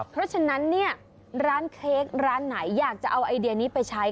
เพราะฉะนั้นเนี่ยร้านเค้กร้านไหนอยากจะเอาไอเดียนี้ไปใช้